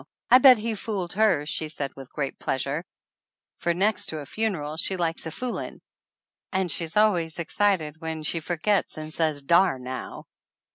I bet he fooled her!" she said with great pleasure, for next to a funeral she likes a fooling, and she is always excited when she forgets and says "Dar now."